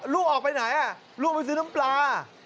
ลูกออกไปไหนลูกไปซื้อน้ำปลา